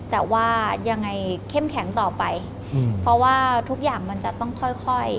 แต่ว่ายังไงเข้มแข็งต่อไปเพราะว่าทุกอย่างมันจะต้องค่อยค่อย